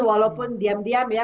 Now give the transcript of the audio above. walaupun diam diam ya